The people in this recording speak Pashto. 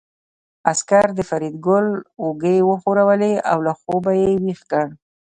عسکر د فریدګل اوږې وښورولې او له خوبه یې ويښ کړ